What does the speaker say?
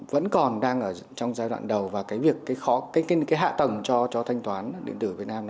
vẫn còn đang trong giai đoạn đầu và hạ tầng cho thanh toán điện tử ở việt nam